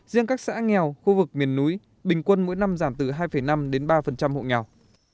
riêng các xã nghèo khu vực miền núi bình quân mỗi năm giảm từ hai năm đến ba hộ nghèo